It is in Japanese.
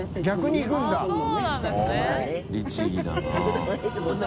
律義だな。